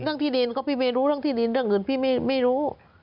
เรื่องที่ดินก็พี่เมย์รู้เรื่องที่ดินเรื่องอื่นพี่ไม่รู้